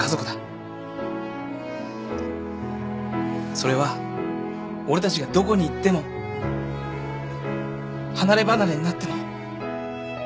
それは俺たちがどこに行っても離れ離れになっても変わらねえんだ。